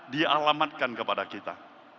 dialamatkan kepada kita